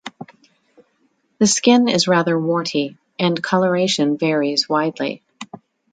The skin is rather warty and colouration varies widely.